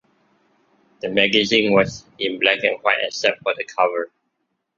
The magazine was in black-and-white except for the cover.